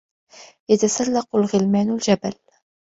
يَتَسَلَّقُ الْغِلْمَانُ الْجَبَلُ.